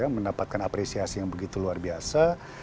mendapatkan apresiasi yang begitu luar biasa